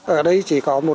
ở đây chỉ có